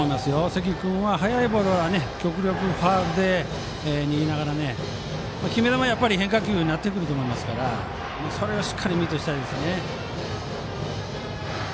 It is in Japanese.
関君は速いボールは極力ファウルで逃げながら決め球は変化球になってくると思いますからそれをしっかりミートしたいです。